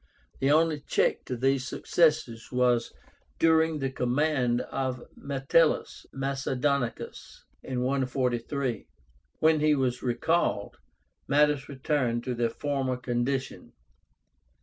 The only check to these successes was during the command of METELLUS MACEDONICUS (143); when he was recalled, matters returned to their former condition.